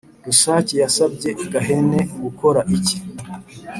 Rusake yasabye Gahene gukora iki?